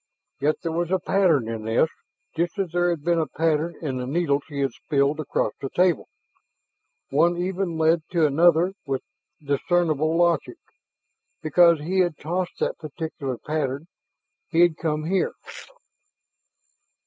Yet there was a pattern in this, just as there had been a pattern in the needles he had spilled across the table. One even led to another with discernible logic; because he had tossed that particular pattern he had come here.